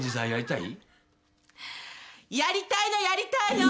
やりたいのやりたいの！